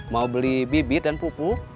mau beli bibit dan pupuk